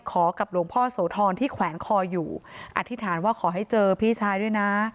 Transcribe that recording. กับหลวงพ่อโสธรที่แขวนคออยู่อธิษฐานว่าขอให้เจอพี่ชายด้วยนะ